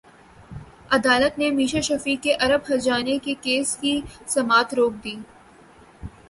عدالت نے میشا شفیع کے ارب ہرجانے کے کیس کی سماعت روک دی